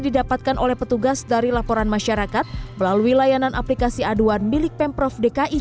didapatkan oleh petugas dari laporan masyarakat melalui layanan aplikasi aduan milik pemprov dki